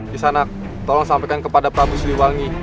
kisanak tolong sampaikan kepada prabu siliwangi